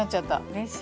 うれしい。